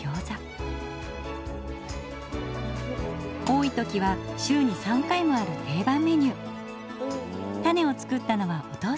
多い時は週に３回もある定番メニュー。